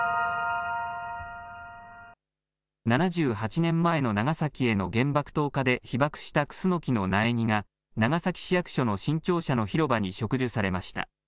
７８年前の長崎への原爆投下で被爆したクスノキの苗木が、長崎市役所の新庁舎の広場に植樹されました。